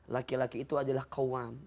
laki laki itu adalah kauam